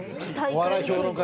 お笑い評論家